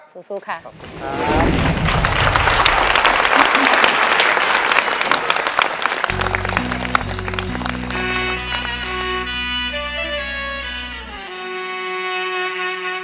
ขอบคุณครับ